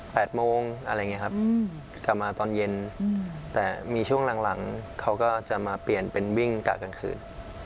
โมงอะไรอย่างเงี้ครับอืมกลับมาตอนเย็นอืมแต่มีช่วงหลังหลังเขาก็จะมาเปลี่ยนเป็นวิ่งกะกลางคืน